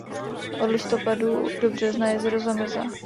Od listopadu do března jezero zamrzá.